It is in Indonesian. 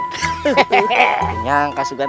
tidak ada yang bisa kacang raden